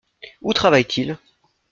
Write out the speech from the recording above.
Où travaille-t-il ?